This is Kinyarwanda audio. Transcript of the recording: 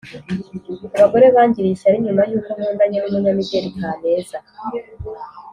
Abagore bangiriye ishyari nyuma yuko nkundanye n’umunyamideli Kaneza.